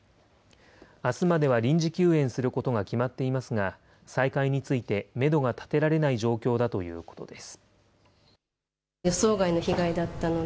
あすまでは臨時休園することが決まっていますが、再開についてメドが立てられない状況だということです。